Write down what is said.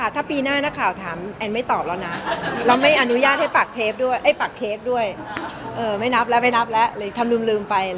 ถ้าปีหน้าน่ะข่าวถามแอนด์ไม่ตอบแล้วนะเราไม่อนุญาตให้ปักเทปด้วยไม่นับแล้วทำลืมไป